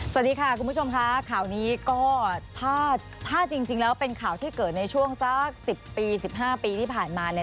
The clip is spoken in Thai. สวัสดีค่ะคุณผู้ชมค่ะข่าวนี้ก็ถ้าจริงแล้วเป็นข่าวที่เกิดในช่วงสัก๑๐ปี๑๕ปีที่ผ่านมาเนี่ย